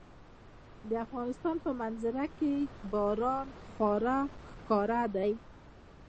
د افغانستان په منظره کې باران خورا ښکاره دی.